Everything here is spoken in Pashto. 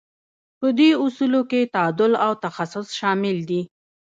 په دې اصولو کې تعادل او تخصص شامل دي.